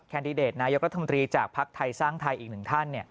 แดดิเดตนายกรัฐมนตรีจากภักดิ์ไทยสร้างไทยอีกหนึ่งท่าน